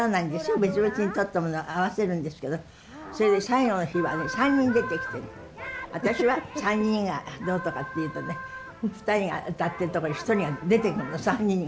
別々に撮ったものを合わせるんですけどそれで最後の日はね３人出てきて私は３人がどうとかって言うとね２人が歌ってるとこに１人が出てくるの３人に。